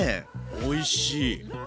おいしい。